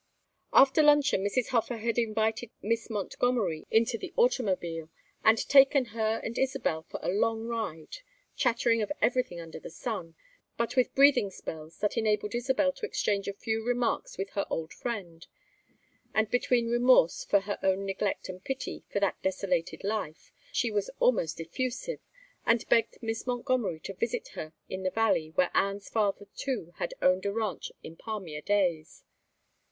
After luncheon Mrs. Hofer had invited Miss Montgomery into the automobile, and taken her and Isabel for a long ride, chattering of everything under the sun, but with breathing spells that enabled Isabel to exchange a few remarks with her old friend; and between remorse for her own neglect and pity for that desolated life, she was almost effusive, and begged Miss Montgomery to visit her in the valley where Anne's father too had owned a ranch in palmier days.